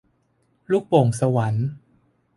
ลูกโป่งสวรรค์